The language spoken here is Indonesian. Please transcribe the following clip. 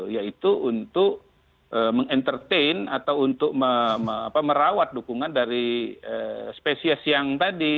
yaitu untuk meng entertain atau untuk merawat dukungan dari spesies yang tadi